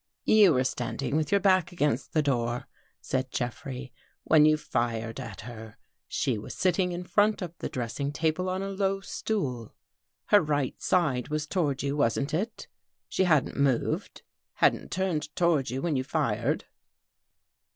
"You were standing with your back against the door," said Jeffrey, " when you fired at her. She was sitting In front of the dressing table on a low stool. Her right side was toward you, wasn't it? She hadn't moved — hadn't turned toward you, when you fired